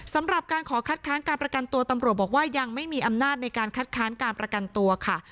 สำหรับการขอคัดค้างการประกันตัวตำรวจบอกว่ายังไม่มีอำนาจในการคัดค้านการประกันตัวค่ะ